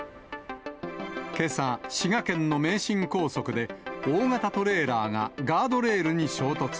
けさ、滋賀県の名神高速で、大型トレーラーがガードレールに衝突。